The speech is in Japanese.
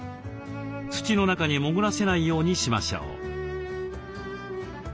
土の中に潜らせないようにしましょう。